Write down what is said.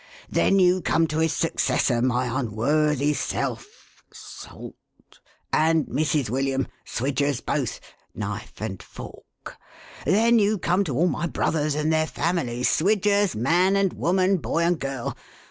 Then you come to his successor, my unworthy self — Salt — and Mrs. William, Swidgers both. — Knife and fork. Then you come to all my brothers and their families, Swidgers, man and woman, boy and girl.